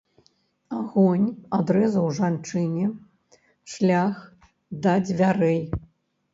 Агонь адрэзаў жанчыне шлях да дзвярэй.